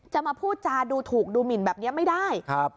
จะมาพูดจาดูถูกดูหมินแบบนี้ไม่ได้